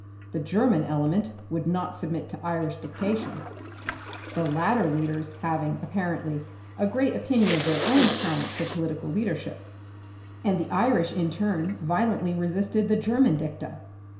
The German element would not submit to Irish dictation — the latter leaders having, apparently, a great opinion of their own talent for political leadership — and the Irish in turn violently resisted the Ger man dicta.